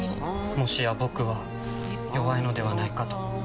もしや僕は弱いのではないかと。